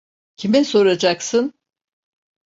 Kime soracaksın?